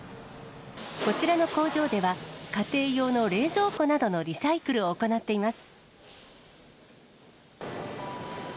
こちらの工場では、家庭用の冷蔵庫などのリサイクルを行っています。